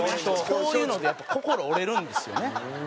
こういうのでやっぱ心折れるんですよね。